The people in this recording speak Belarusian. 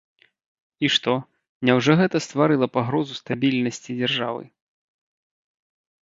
І што, няўжо гэта стварыла пагрозу стабільнасці дзяржавы?